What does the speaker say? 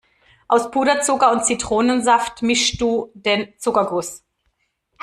Aus Puderzucker und Zitronensaft mischst du den Zuckerguss.